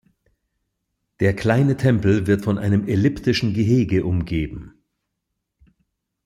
Der kleine Tempel wird von einem elliptischen Gehege umgeben.